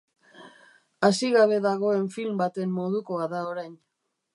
Hasi gabe dagoen film baten modukoa da orain.